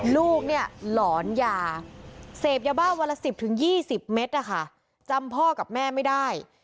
ลูกเนี่ยหลอนยาเสพยาบ้าวันละ๑๐๒๐เมตรนะคะจำพ่อกับแม่ไม่ได้